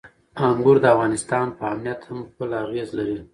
انګور د افغانستان په امنیت هم خپل اغېز لري.